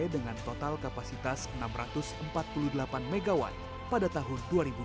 dengan total kapasitas enam ratus empat puluh delapan mw pada tahun dua ribu dua puluh